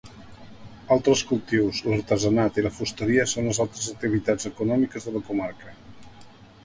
Altres cultius, l'artesanat i la fusteria són les altres activitats econòmiques de la comarca.